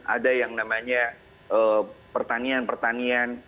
ada yang namanya pertanian pertanian